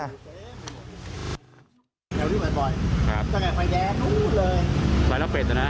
แถวที่มันบ่อยครับตั้งแต่ไฟแดงนู้นเลยไฟแล้วเป็ดแล้วนะ